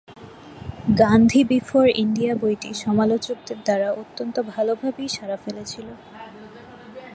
Gandhi Before India বইটি সমালোচকদের দ্বারা অত্যন্ত ভালভাবেই সাড়া ফেলেছিল।